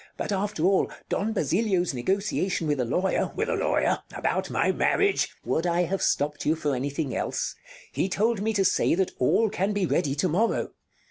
But after all, Don Basilio's negotiation with a lawyer Bartolo With a lawyer? About my marriage? Count Would I have stopped you for anything else? He told me to say that all can be ready to morrow.